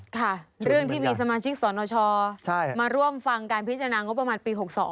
ค่ะเรื่องที่มีสมาชิกสนชมาร่วมฟังการพิจารณางบประมาณปี๖๒